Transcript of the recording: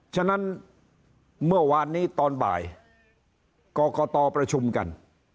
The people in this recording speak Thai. ฉะนั้นเมื่อวานนี้ตอนบ่ายกรกตประชุมกัน